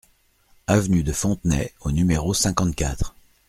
Avenue de Fontenay au numéro cinquante-quatre